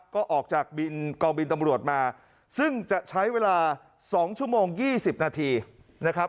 ก็ออกจากกองบินตำรวจมาซึ่งจะใช้เวลา๒ชั่วโมง๒๐นาทีนะครับ